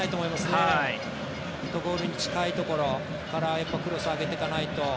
もっとゴールに近いところからクロスを上げてかないと。